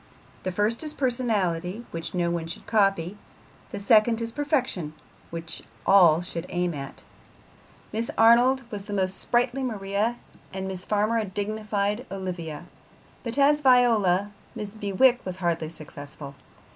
The first is personality, which no one should copy; the second is perfection, which all should aim at. Miss Arnold was a most sprightly Maria, and Miss Farmer a dignified Olivia; but as Viola Mrs. Bewicke was hardly successful.